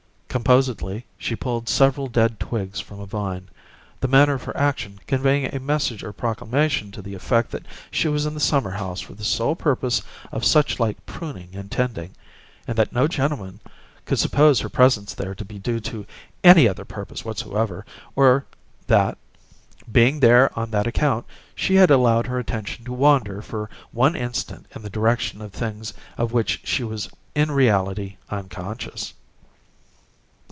Composedly, she pulled several dead twigs from a vine, the manner of her action conveying a message or proclamation to the effect that she was in the summer house for the sole purpose of such like pruning and tending, and that no gentleman could suppose her presence there to be due to any other purpose whatsoever, or that, being there on that account, she had allowed her attention to wander for one instant in the direction of things of which she was in reality unconscious.